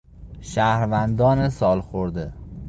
شهروندان سالخورده